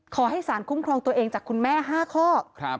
ขอให้สารคุ้มครองตัวเองจากคุณแม่๕ข้อ